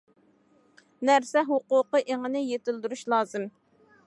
نەرسە ھوقۇقى ئېڭىنى يېتىلدۈرۈش لازىم.